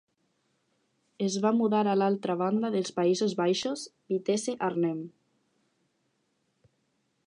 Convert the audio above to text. Es va mudar a l'altra banda dels Països Baixos, Vitesse Arnhem.